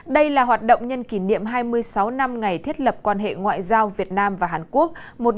đây là hoạt động nhân kỷ niệm hai mươi sáu năm ngày thiết lập quan hệ ngoại giao việt nam và hàn quốc một nghìn chín trăm chín mươi hai hai nghìn một mươi tám